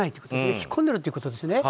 引っ込んでろということですよね。